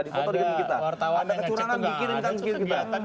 ada kecurangan dikirimkan ke kita